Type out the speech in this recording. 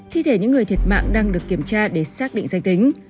thi thể những người thiệt mạng đang được kiểm tra để xác định danh tính